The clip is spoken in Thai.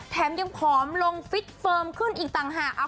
แถมยังผอมลงฟิตเฟิร์มขึ้นอีกต่างหาก